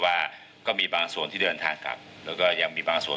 ว่าก็มีบางส่วนที่เดินทางกลับแล้วก็ยังมีบางส่วน